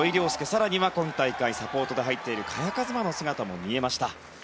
更には今大会サポートで入っている萱和磨の姿も見えました。